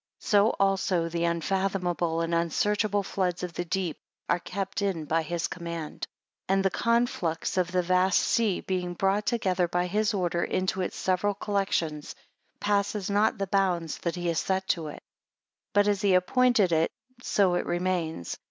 9 So also the unfathomable and unsearchable floods of the deep, are kept in by his command; 10 And the conflux of the vast sea, being brought together by his order into its several collections, passes not the bounds that he has set to it; 11 But as he appointed it, so it remains.